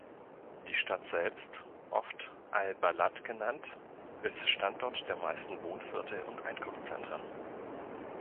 Die Stadt selbst, oft „al-Balad“ genannt, ist Standort der meisten Wohnviertel und Einkaufszentren.